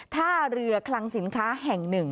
ท่าเรือคลังสินค้าแห่ง๑